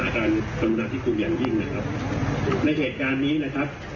สนุนละที่กูยังยิ้มนะครับ